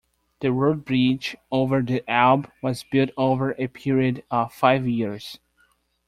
The road bridge over the Elbe was built over a period of five years.